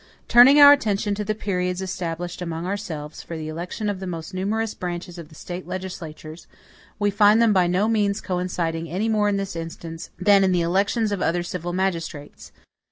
Turning our attention to the periods established among ourselves, for the election of the most numerous branches of the State legislatures, we find them by no means coinciding any more in this instance, than in the elections of other civil magistrates.